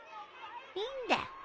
いいんだよ。